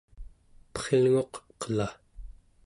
eprilnguq qela